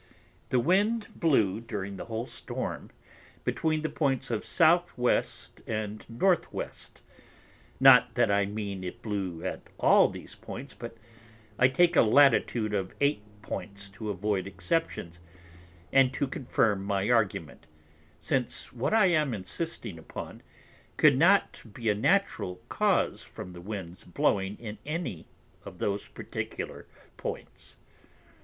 The Wind blew, during the whole Storm, between the Points of S.W. and N.W., not that I mean it blew at all these Points, but I take a Latitude of Eight Points to avoid Exceptions, and to confirm my Argument; since what I am insisting upon, could not be a natural Cause from the Winds blowing in any of those particular Points.